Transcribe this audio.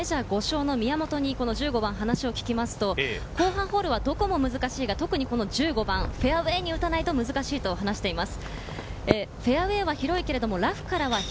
すでにホールアウトしたメジャー５勝の宮本に１５番、話を聞くと、後半ホールはどこも難しいが特に１５番、フェアウエーに打たないと難しいと話しています。